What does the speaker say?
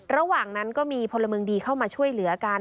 ระหว่างนั้นก็มีพลเมืองดีเข้ามาช่วยเหลือกัน